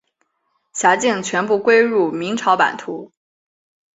辖境全部归入明朝版图。